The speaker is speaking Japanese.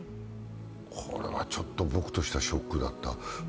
これはちょっと僕としてはショックだった。